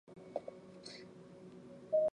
邦达仓家族自昌都发展为西藏的权贵。